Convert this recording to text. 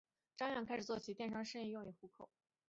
张漾开始做起了电商生意用以糊口。